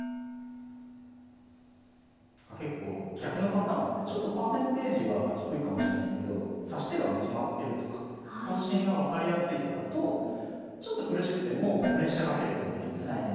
結構逆のパターンもあってちょっとパーセンテージは低いかもしれないんだけど指し手がもう決まってるとか方針が分かりやすいとかだとちょっと苦しくてもプレッシャーかけることができるんですよね